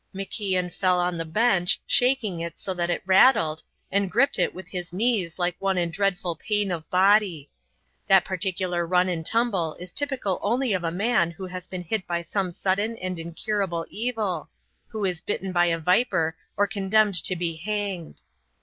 MacIan fell on the bench, shaking it so that it rattled, and gripped it with his knees like one in dreadful pain of body. That particular run and tumble is typical only of a man who has been hit by some sudden and incurable evil, who is bitten by a viper or condemned to be hanged.